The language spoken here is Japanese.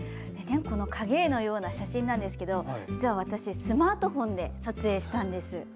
影絵のような写真なんですが実は私、スマートフォンで撮影したんです。